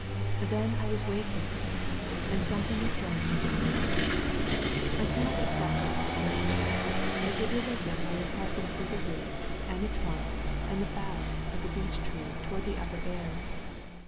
Then I was waking again and something was drawing me gently upward. I cannot exactly explain it, but it was as if I were passing through the roots and the trunk and the boughs of the beech tree toward the upper air.